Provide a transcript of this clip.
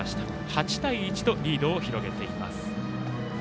８対１とリードを広げています。